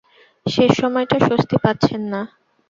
শেষ সময়টা স্বস্তি পাচ্ছেন না।